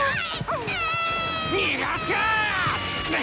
逃がすか！